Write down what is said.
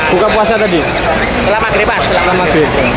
terus saya itu saya suruh keluar